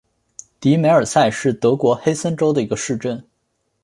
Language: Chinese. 迪梅尔塞是德国黑森州的一个市镇。